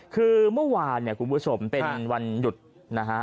คือเมื่อวานเนี่ยคุณผู้ชมเป็นวันหยุดนะฮะ